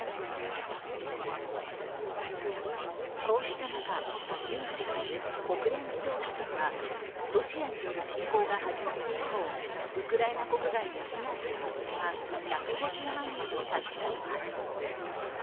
こうした中、ユニセフ＝国連児童基金は、ロシアによる侵攻が始まって以降、ウクライナ国外に避難した子供が１５０万人に達したと発表。